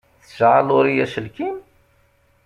Tesɛa Laurie aselkim?